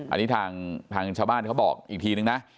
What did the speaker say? อันนี้ทางชาวบ้านเขาบอกอีกทีนึงนะ